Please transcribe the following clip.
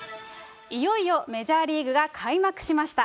いよいよメジャーリーグが開幕しました。